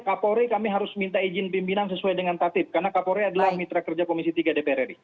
kapolri kami harus minta izin pimpinan sesuai dengan tatip karena kapolri adalah mitra kerja komisi tiga dpr ri